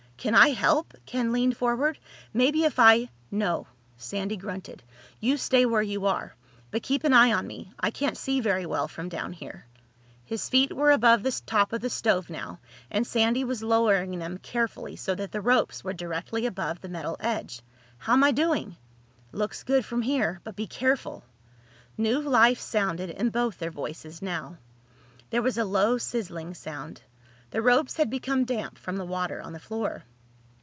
"Can I help?" Ken leaned forward. "Maybe if I—" "No," Sandy grunted. "You stay where you are. But keep an eye on me. I can't see very well from down here." His feet were above the top of the stove now, and Sandy was lowering them carefully so that the ropes were directly above the metal edge. "How'm I doing?" "Looks good from here. But be careful!" New life sounded in both their voices now. There was a low sizzling sound. The ropes had become damp from the water on the floor.